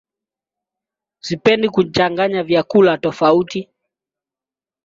Sipendi kuchanganya vyakula tofauti.